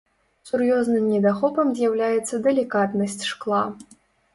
Сур'ёзным недахопам з'яўляецца далікатнасць шкла.